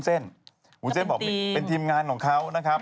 ก็เป็นทีมวุ้นเส้นบอกว่าเป็นทีมงานของเขานะครับ